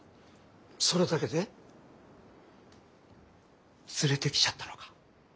それだけで連れてきちゃったのか。